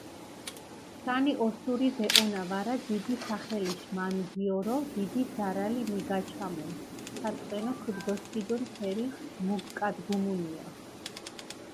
სქანი ოსური ვეჸონა ვარა, დიდი სახელიშ მანგიორო დიდი ზარალი მიგაჩამუნ, საწყენო ქჷდგოსქიდუნ ფერი მუკგადგუმუნია.